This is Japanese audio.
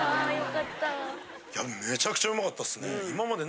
いやめちゃくちゃうまかったっすね。